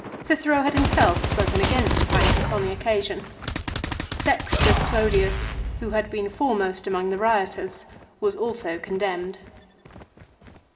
Cicero had himself spoken against Plancus on the occasion. Sextus Clodius who had been foremost among the rioters was also condemned.